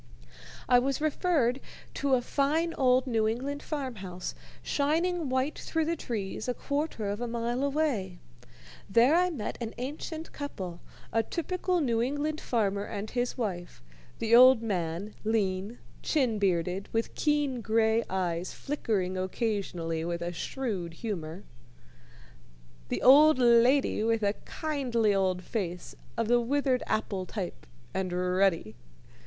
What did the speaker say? I was referred to a fine old New England farm house shining white through the trees a quarter of a mile away. There I met an ancient couple, a typical New England farmer and his wife; the old man, lean, chin bearded, with keen gray eyes flickering occasionally with a shrewd humor, the old lady with a kindly old face of the withered apple type and ruddy.